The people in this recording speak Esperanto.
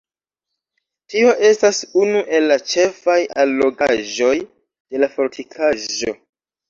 Tio estas unu el la ĉefaj allogaĵoj de la fortikaĵo.